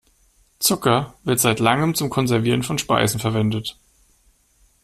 Zucker wird seit langem zum Konservieren von Speisen verwendet.